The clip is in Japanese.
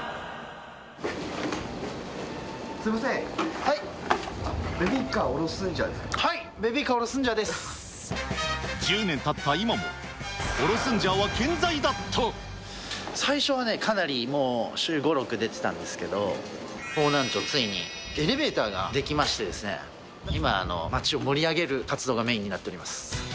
すみません、ベビーカーおろすんジャーで１０年たった今も、最初はね、かなり週５、６でやってたんですけど、方南町、ついにエレベーターが出来ましてですね、今は街を盛り上げる活動がメインになってます。